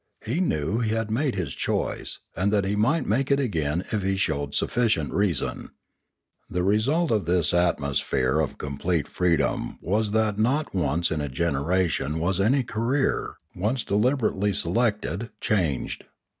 He knew he had made his choice, and that he might make it again if he showed sufficient reason. The result of this atmosphere of complete freedom was that not once in a generation was any career, once deliberately selected, changed.